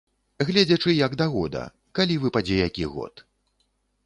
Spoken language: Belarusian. Гледзячы як да года, калі выпадзе які год.